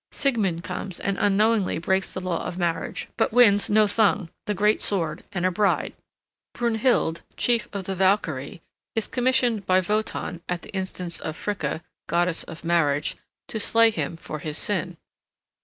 Siegmund comes, and unknowingly breaks the law of marriage, but wins Nothung, the great sword, and a bride. Brunhild, chief of the Valkyrie, is commissioned by Wotan at the instance of Fricka, goddess of marriage, to slay him for his sin.